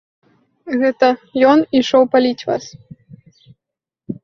Гэта ён ішоў паліць вас.